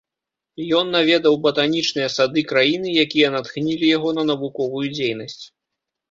Ён наведаў батанічныя сады краіны, якія натхнілі яго на навуковую дзейнасць.